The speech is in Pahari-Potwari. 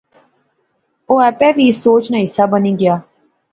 او آپے وی اس سوچ نا حصہ بنی گیا